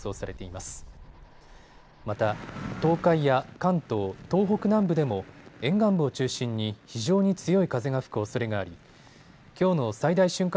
また、東海や関東、東北南部でも沿岸部を中心に非常に強い風が吹くおそれがありきょうの最大瞬間